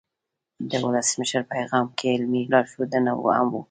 د ولسمشر پیغام کې علمي لارښودونه هم وو.